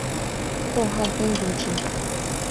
逗号分隔值。